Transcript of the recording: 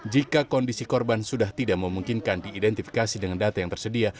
jika kondisi korban sudah tidak memungkinkan diidentifikasi dengan data yang tersedia